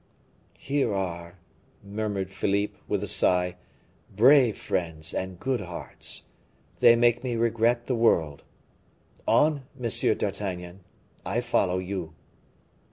"Here are," murmured Philippe, with a sigh, "brave friends and good hearts. They make me regret the world. On, M. d'Artagnan, I follow you."